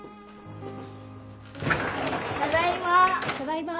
ただいま。